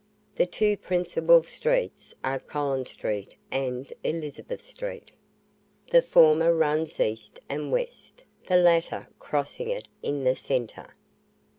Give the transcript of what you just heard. The two principal streets are Collins Street and Elizabeth Street. The former runs east and west, the latter crossing it in the centre.